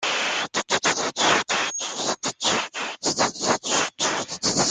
Ils desservent notamment Kalyan et Thane.